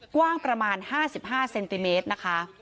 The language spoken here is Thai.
กว้างประมาณ๕๕เซนติเมตรนะคะ